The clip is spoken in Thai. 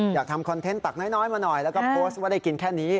ทำคอนเทนต์ตักน้อยมาหน่อยแล้วก็โพสต์ว่าได้กินแค่นี้